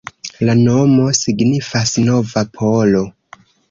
La nomo signifas nova-polo.